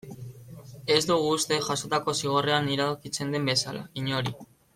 Ez dugu uste, jasotako zigorrean iradokitzen den bezala, inori.